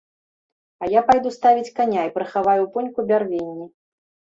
А я пайду ставіць каня і прыхаваю ў пуньку бярвенні.